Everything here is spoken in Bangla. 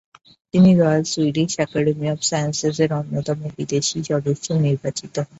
তিনি রয়াল সুইডিশ অ্যাকাডেমি অফ সায়েন্সেস-এর অন্যতম বিদেশী সদস্য নির্বাচিত হন।